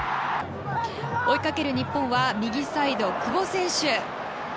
追いかける日本は右サイド、久保選手。